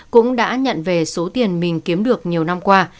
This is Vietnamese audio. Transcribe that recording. cũng đã nhận về số tiền mình kiếm được nhiều năm qua